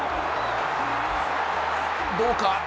どうか。